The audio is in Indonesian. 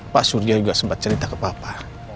pak surya juga sempat cerita ke papa